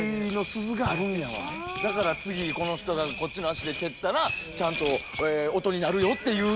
だから次この人がこっちの足で蹴ったらちゃんと音になるよっていうのんで。